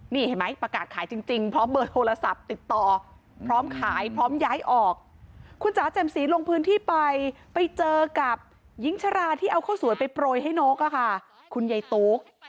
นี่เห็นไหมประกาศขายจริงพร้อมเบอร์โทรศัพท์ติดต่อพร้อมขายพร้อมย้ายออกคุณจ๋าแจ่มสีลงพื้นที่ไปไปเจอกับหญิงชราที่เอาข้าวสวยไปโปรยให้นกคุณยายตุ๊ก